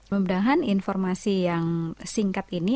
semoga informasi yang singkat ini